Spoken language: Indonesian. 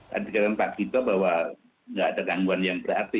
tadi kata pak gita bahwa tidak ada gangguan yang berarti